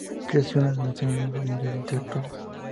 Creció en el Seno de una familia de Intelectuales.